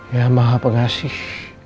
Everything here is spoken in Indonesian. ya maha pengasih